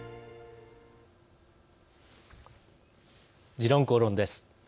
「時論公論」です。